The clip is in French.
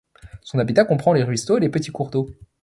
Son habitat comprend les ruisseaux et les petits cours d'eau.